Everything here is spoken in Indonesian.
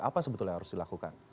apa sebetulnya yang harus dilakukan